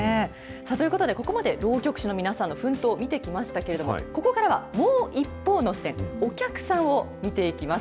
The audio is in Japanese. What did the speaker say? ということで、ここまで浪曲師の皆さんの奮闘を見てきましたけれども、ここからは、もう一方の視点、お客さんを見ていきます。